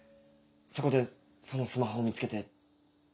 そこでそのスマホを見つけて。